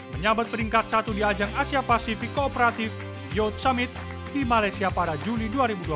menyambut peringkat satu di ajang asia pasifik kooperatif youth summit di malaysia pada juli dua ribu dua puluh tiga